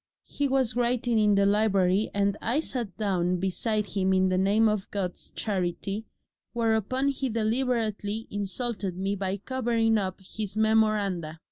He was writing in the library and I sat down beside him in the name of God's charity, whereupon he deliberately insulted me by covering up his memoranda.